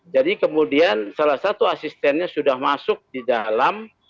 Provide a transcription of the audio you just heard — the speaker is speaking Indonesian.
jadi kemudian salah satu asistennya sudah masuk di dalam